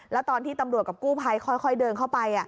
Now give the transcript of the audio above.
แล้วตอนที่ตำรวจกับกู้ภัยค่อยเดินเข้าไป